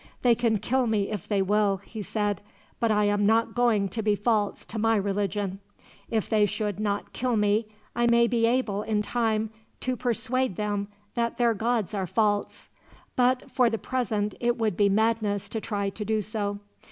"They can kill me if they will," he said; "but I am not going to be false to my religion. If they should not kill me I may be able, in time, to persuade them that their gods are false; but for the present it would be madness to try to do so.